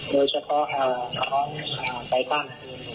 โดยเฉพาะของไต้ตั้ง